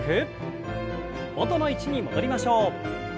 元の位置に戻りましょう。